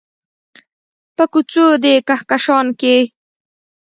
په کوڅو د کهکشان کې